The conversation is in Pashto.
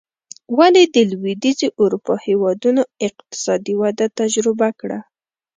ولې د لوېدیځې اروپا هېوادونو اقتصادي وده تجربه کړه.